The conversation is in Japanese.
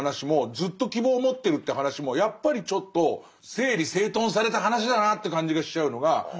ずっと希望を持ってるっていう話もやっぱりちょっと整理整頓された話だなって感じがしちゃうのが。